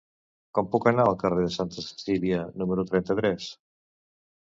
Com puc anar al carrer de Santa Cecília número trenta-tres?